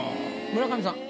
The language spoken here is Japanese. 村上さん。